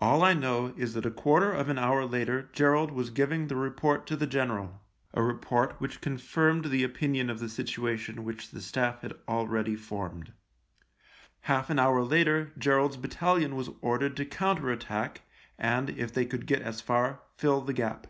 All I know is that a quarter of an hour later Gerald was giving the report to the general — a report which confirmed the opinion of the situation which the Staff had already formed. Half an hour later Gerald's battalion was ordered to counter attack and, if they could get as far, fill the gap.